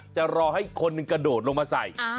จะรอให้คนกระโดดมาใส่